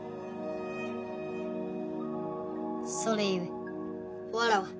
それゆえわらわ